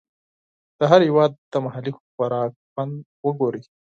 د هر هېواد د محلي خوراک خوند وګورئ.